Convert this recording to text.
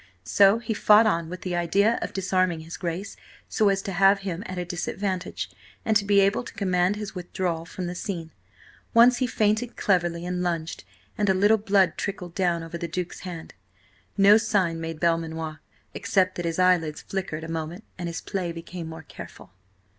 So he fought on with the idea of disarming his Grace, so as to have him at a disadvantage and to be able to command his withdrawal from the scene. Once he feinted cleverly, and lunged, and a little blood trickled down over the Duke's hand. No sign made Belmanoir, except that his eyelids flickered a moment and his play became more careful.